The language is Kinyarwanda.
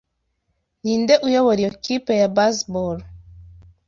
Ninde uyobora iyo kipe ya baseball?